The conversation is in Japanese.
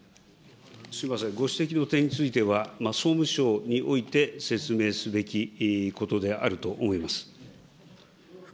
すみません、ご指摘の点については、総務省において説明すべきことであると思います。